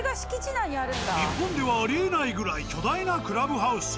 日本ではありえないぐらい巨大なクラブハウス。